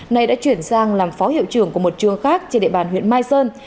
nay đã chuyển sang làm phó hiệu trưởng của một trường khác trên địa bàn huyện mai sơn